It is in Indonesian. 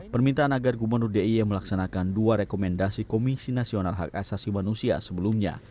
permintaan agar gubernur d i e melaksanakan dua rekomendasi komisi nasional hak asasi manusia sebelumnya